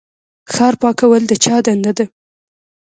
ښار پاکول د چا دنده ده؟